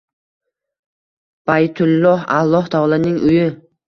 Baytulloh – Alloh taoloning uyi